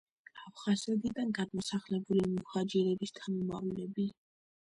აფხაზეთიდან გადმოსახლებული მუჰაჯირების შთამომავლები.